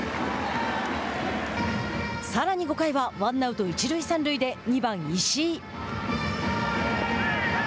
さらに５回はワンアウト、一塁三塁で２番石井。